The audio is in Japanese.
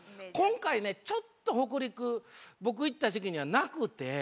今回ねちょっと北陸僕行った時期にはなくて。